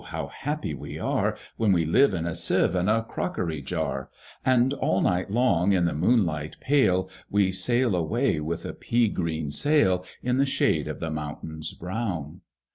How happy we are, When we live in a Sieve and a crockery jar, And all night long in the moonlight pale, We sail away with a pea green sail, In the shade of the mountains brown!"